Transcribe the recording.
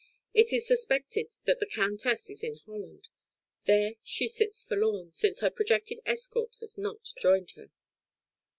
It is suspected that the Countess is in Holland; there she sits forlorn, since her projected escort has not joined her.